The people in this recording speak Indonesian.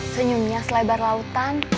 senyumnya selebar lautan